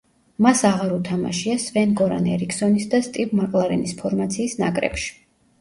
მას აღარ უთამაშია სვენ-გორან ერიქსონის და სტივ მაკლარენის ფორმაციის ნაკრებში.